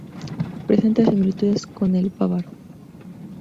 Presenta similitudes con el bávaro.